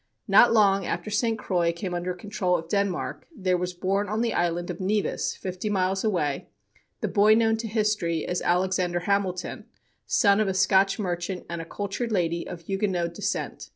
Not long after St. Croix came under control of Denmark there was born on the island of Nevis, fifty miles away, the boy known to history as Alexander Hamilton, son of a Scotch merchant and a cultured lady of Huguenot descent.